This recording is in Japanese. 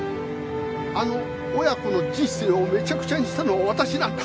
あの親子の人生をめちゃくちゃにしたのは私なんだ。